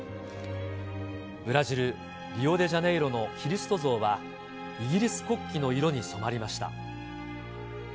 ブラジル・リオデジャネイロのキリスト像は、イギリス国旗の色に染まりました。